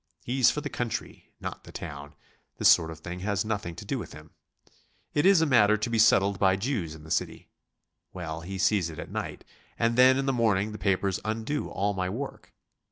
He's for the country, not the town this sort of thing has nothing to do with him. It's a matter to be settled by Jews in the City. Well, he sees it at night, and then in the morning the papers undo all my work.